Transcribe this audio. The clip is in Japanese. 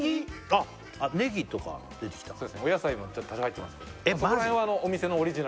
あっねぎとか出てきたお野菜もちょっと入ってますえっマジ！？